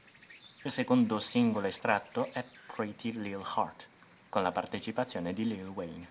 Il secondo singolo estratto è "Pretty Lil' Heart" con la partecipazione di Lil Wayne.